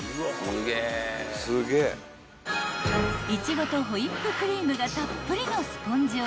［イチゴとホイップクリームがたっぷりのスポンジを］